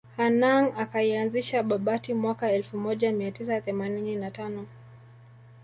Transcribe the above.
Hanang ikaianzisha Babati mwaka elfu moja mia tisa themanini na tano